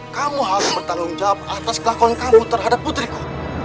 kamu harus bertanggung jawab atas kelakuan kamu terhadap putriku